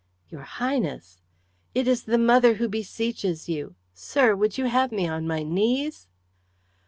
"Your Highness " "It is the mother who beseeches you. Sir, would you have me on my knees?"